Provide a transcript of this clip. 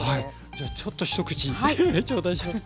じゃあちょっと一口頂戴します。